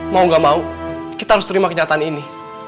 mau gak mau kita harus terima kenyataan ini